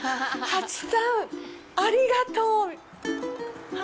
ハチさん、ありがとう！